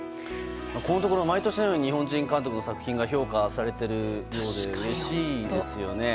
ここのところ毎年のように日本人監督の作品が評価されているようでうれしいですよね。